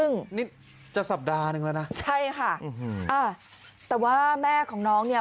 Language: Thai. นี่จะสัปดาห์หนึ่งแล้วนะใช่ค่ะอืมอ่าแต่ว่าแม่ของน้องนี้